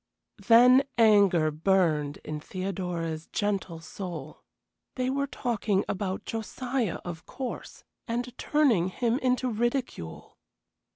Then anger burned in Theodora's gentle soul. They were talking about Josiah, of course, and turning him into ridicule.